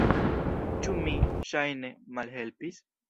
Ĉu mi, ŝajne, malhelpis?